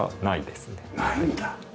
ないんだ。